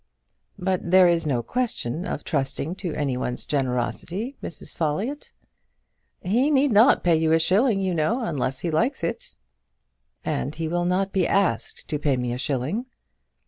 "But there is no question of trusting to any one's generosity, Mrs. Folliott." "He need not pay you a shilling, you know, unless he likes it." "And he will not be asked to pay me a shilling."